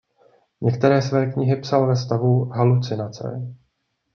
Některé své knihy psal ve stavu halucinace.